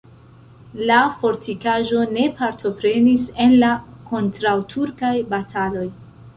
La fortikaĵo ne partoprenis en la kontraŭturkaj bataloj.